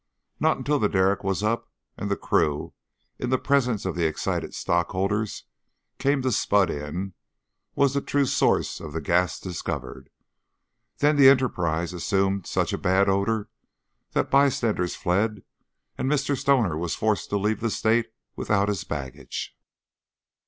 Not until the derrick was up and the crew, in the presence of the excited stockholders, came to "spud in," was the true source of that gas discovered then the enterprise assumed such a bad odor that bystanders fled and Mr. Stoner was forced to leave the state without his baggage.